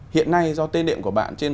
hiện nay do tên đệm của bạn trên